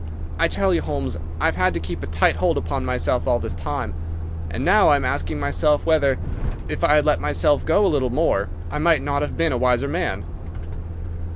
I tell you, Holmes, I have had to keep a tight hold upon myself all this time; and now I am asking myself whether, if I had let myself go a little more, I might not have been a wiser man.